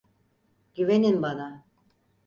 Güvenin bana.